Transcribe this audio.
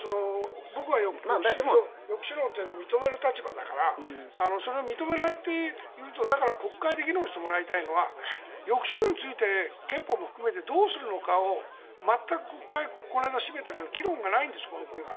僕は抑止論を認める立場だからそれを認めないでいるとだから国会で議論してもらいたいのは抑止力について憲法も含めてどうするのかを全く国会、この間閉めたけど議論がないんです、この国は。